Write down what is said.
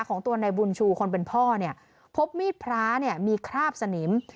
ของตัวนายบุญชูคนเป็นพ่อเนี่ยพบมีดพระเนี่ยมีคราบสนิม